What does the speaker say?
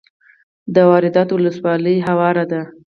د روداتو ولسوالۍ هواره ده